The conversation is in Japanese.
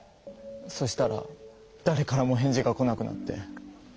そしたらだれからも返事が来なくなって。